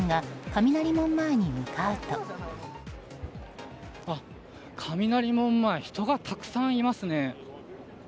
雷門前、人がたくさんいますね。